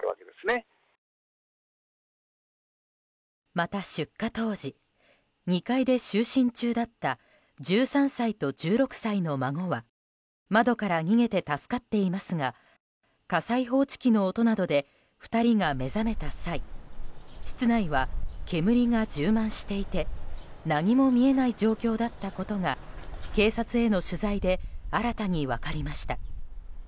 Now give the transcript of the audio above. また、出火当時２階で就寝中だった１３歳と１６歳の孫は窓から逃げて助かっていますが火災報知機の音などで２人が目覚めた際室内は煙が充満していて何も見えない状況だったことが警察への取材で新たに分かりました。